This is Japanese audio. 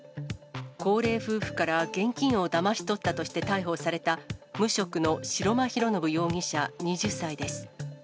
高齢夫婦から現金をだまし取ったとして逮捕された無職の白間広宣容疑者２０歳です。